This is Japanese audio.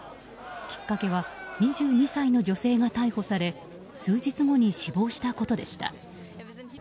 きっかけは２２歳の女性が逮捕され数日後に死亡したことでした。